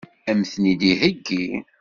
Ad m-ten-id-iheggi?